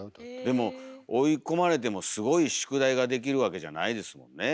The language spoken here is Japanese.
でも追い込まれてもすごい宿題ができるわけじゃないですもんね。